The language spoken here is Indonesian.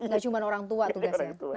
gak cuma orang tua tugasnya